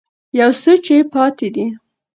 يو څه چې پاتې دي